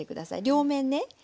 両面ね。